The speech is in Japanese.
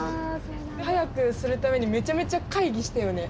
速くするためにめちゃめちゃ会議したよね。